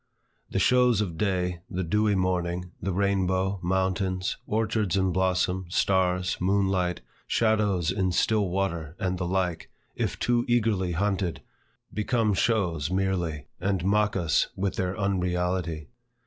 The shows of day, the dewy morning, the rainbow, mountains, orchards in blossom, stars, moonlight, shadows in still water, and the like, if too eagerly hunted, become shows merely, and mock us with their unreality.